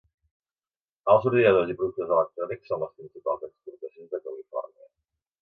Els ordinadors i productes electrònics són les principals exportacions de Califòrnia.